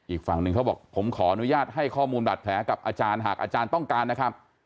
อีกฝั่งหนึ่งเขาบอกผมขออนุญาตให้ข้อมูลบาดแผลกับอาจารย์หากอาจารย์ต้องการนะครับ